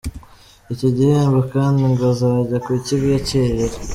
Icyo gihembo kandi ngo azajya kukiyakirira.